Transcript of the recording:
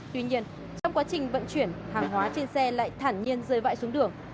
tuy nhiên trong quá trình vận chuyển hàng hóa trên xe lại thản nhiên rơi vãi xuống đường